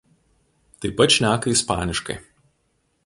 Taip pat šneka ispaniškai.